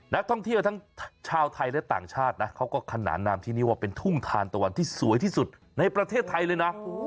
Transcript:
นักท่องเที่ยวทั้งชาวไทยและต่างชาตินะเขาก็ขนานนามที่นี่ว่าเป็นทุ่งทานตะวันที่สวยที่สุดในประเทศไทยเลยนะ